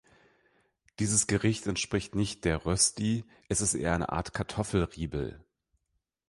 Dieses Gericht entspricht nicht der Rösti, es ist eher eine Art Kartoffel-Ribel.